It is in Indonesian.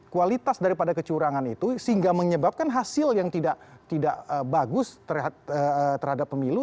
kualitas daripada kecurangan itu sehingga menyebabkan hasil yang tidak bagus terhadap pemilu